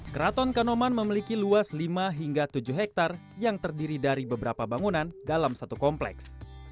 keraton kanoman memiliki luas lima hingga tujuh hektare yang terdiri dari beberapa bangunan dalam satu kompleks